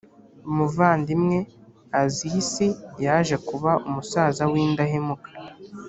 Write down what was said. umuvandimwe azisi yaje kuba umusaza w’indahemuka